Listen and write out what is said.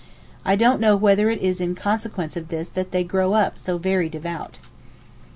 I don't know whether it is in consequence of this that they grow up so very devout.